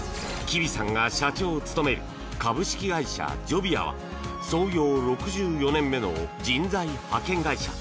吉備さんが社長を務める株式会社ジョビアは創業６４年目の人材派遣会社。